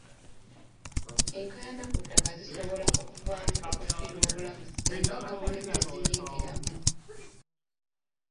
Enkaayana ku ttaka zisobola okuvaamu okufiirwa obulamu singa gavumenti teziyingiramu.